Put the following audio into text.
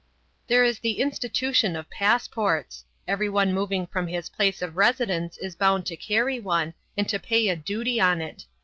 There is the institution of passports. Everyone moving from his place of residence is bound to carry one, and to pay a duty on it.